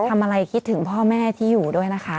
ทำอะไรคิดถึงพ่อแม่ที่อยู่ด้วยนะคะ